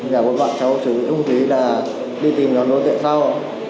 giả bộ bọn cháu chuẩn bị không khí là đi tìm nhóm đối tượng sau